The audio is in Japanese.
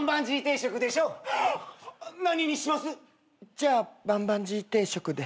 じゃあバンバンジー定食で。